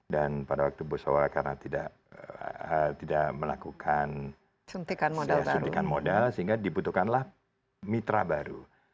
dan pada waktu busowa karena tidak melakukan suntikan modal sehingga dibutuhkanlah mitra baru